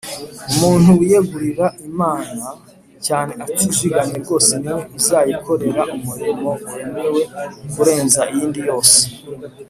umuntu wiyegurira imana cyane atizigamye rwose ni we uzayikorera umurimo wemewe kurenza iyindi yose